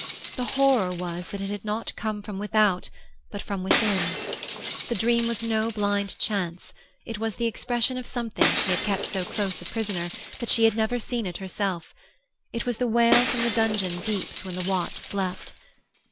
The horror was that it had not come from without, but from within. The dream was no blind chance; it was the expression of something she had kept so close a prisoner that she had never seen it herself, it was the wail from the donjon deeps when the watch slept.